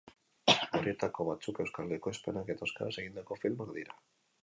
Horietako batzuk euskal ekoizpenak eta euskaraz egindako filmak dira.